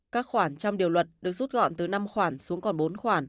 các khoản trong điều luật được rút gọn từ năm khoản xuống còn bốn khoản